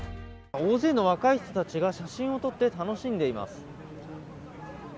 大勢の若い人たちが写真を撮って楽しんでいます。